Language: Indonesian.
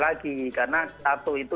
lagi karena tatu itu